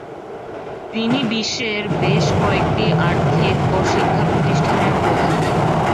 তিনি বিশ্বের বেশ কয়েকটি আর্থিক ও শিক্ষাপ্রতিষ্ঠানের প্রধান।